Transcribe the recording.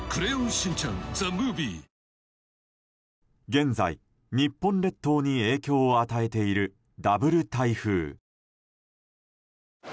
現在、日本列島に影響を与えているダブル台風。